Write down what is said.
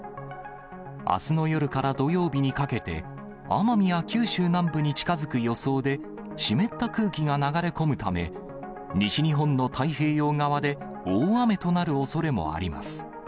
あすの夜から土曜日にかけて、奄美や九州南部に近づく予想で、湿った空気が流れ込むため、西日本の太平洋側で大雨となるおそれもあります。